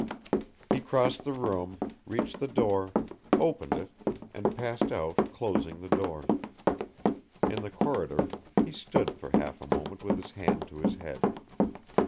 He crossed the room, reached the door, opened it and passed out closing the door. In the corridor he stood for half a moment with his hand to his head.